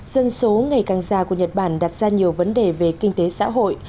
dân số ngày càng già của nhật bản đặt ra nhiều vấn đề về kinh tế xã hội